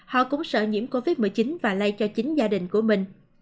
họ cũng sợ nhiễm covid một mươi chín và lây cho chính gia đình của mình